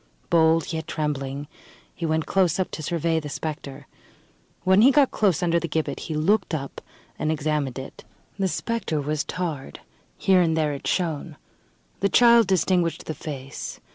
Bold, yet trembling, he went close up to survey the spectre. When he got close under the gibbet, he looked up and examined it. The spectre was tarred; here and there it shone. The child distinguished the face.